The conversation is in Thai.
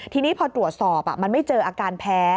ทีนี้พอตรวจสอบมันไม่เจออาการแพ้